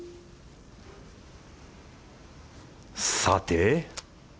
さて。